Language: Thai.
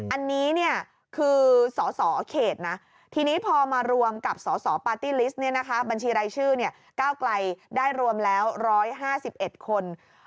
อันนี้เนี่ยคือสอสอเขตนะทีนี้พอมารวมกับสอสอปาร์ตี้ลิสต์เนี่ยนะคะบัญชีรายชื่อเนี่ยก้าวไกลได้รวมแล้ว๑๕๑คน